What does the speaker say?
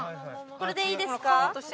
これでいいですか？